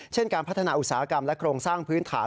การพัฒนาอุตสาหกรรมและโครงสร้างพื้นฐาน